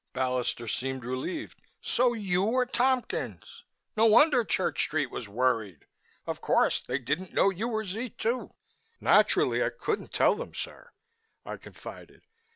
Ballister seemed relieved. "So you are Tompkins. No wonder Church Street was worried. Of course, they didn't know you were Z 2." "Naturally I couldn't tell them, sir!" I confided.